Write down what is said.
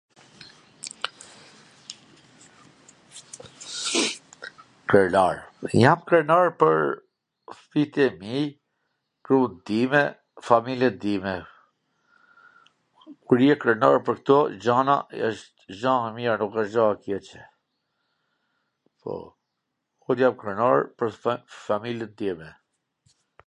Krenar? jam krenar pwr fmiit e mi, grun time, familjen time. Kur je krenar pwr kto gjana, wsht gja e mir, nuk wsht gja e keqe. Po, un jam krenar pwr familjen time.